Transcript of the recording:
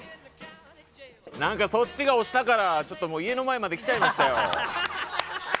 何かそっちが押したから家の前まで来ちゃいましたよ。